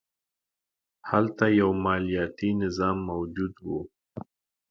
هلته یو مالیاتي نظام موجود و